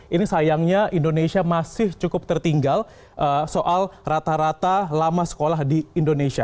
ini sayangnya indonesia masih cukup tertinggal soal rata rata lama sekolah di indonesia